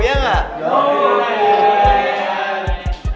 jangan jangan jangan